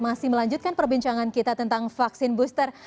masih melanjutkan perbincangan kita tentang vaksin booster